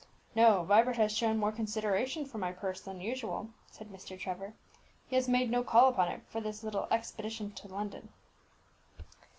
"No; Vibert has shown more consideration for my purse than usual," said Mr. Trevor. "He has made no call upon it for this little expedition to London."